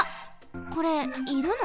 これいるの？